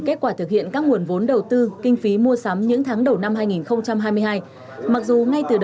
kết quả thực hiện các nguồn vốn đầu tư kinh phí mua sắm những tháng đầu năm hai nghìn hai mươi hai mặc dù ngay từ